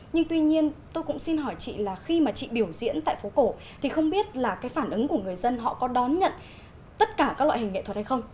nhưng tuy nhiên tôi cũng xin hỏi chị là khi mà chị biểu diễn tại phố cổ thì không biết là cái phản ứng của người dân họ có đón nhận tất cả các loại hình nghệ thuật hay không